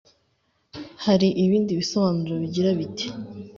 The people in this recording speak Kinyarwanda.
hari ibindi bisobanuro bigira biti